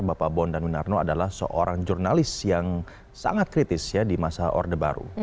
bapak bondan winarno adalah seorang jurnalis yang sangat kritis ya di masa orde baru